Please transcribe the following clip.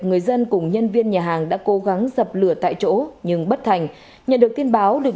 người dân cùng nhân viên nhà hàng đã cố gắng dập lửa tại chỗ nhưng bất thành nhận được tin báo được